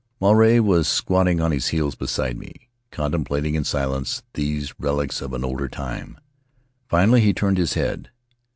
Maruae was squatting on his heels beside me, con templating in silence these relics of an older time. Finally he turned his head.